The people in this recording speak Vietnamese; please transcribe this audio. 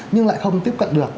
nhưng lại không tiếp cận được